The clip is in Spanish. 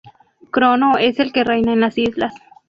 Crono es el que reina en las islas.